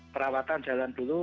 perawatan jalan dulu